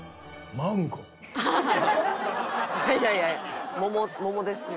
いやいやいや桃ですよ。